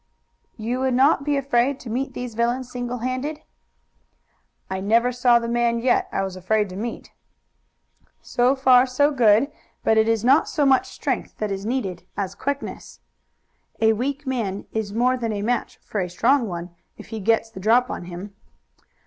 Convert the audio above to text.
"You would not be afraid to meet these villains single handed?" "I never saw the man yet I was afraid to meet." "So far, so good, but it is not so much strength that is needed as quickness. A weak man is more than a match for a strong one if he gets the drop on him."